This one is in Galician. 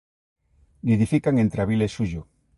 Nidifican entre abril e xullo.